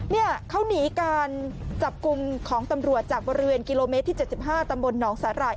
เนี่ยเขาหนีการจับกลุ่มของตำรวจจากบริเวณกิโลเมตรที่๗๕ตำบลหนองสาหร่าย